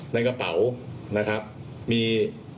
ในกระเป๋านะครับมี